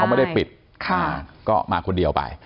เขาไม่ได้ปิดก็มาคนเดียวไป